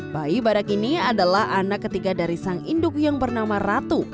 bayi badak ini adalah anak ketiga dari sang induk yang bernama ratu